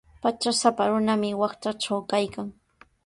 Patrasapa runami waqtatraw kaykan.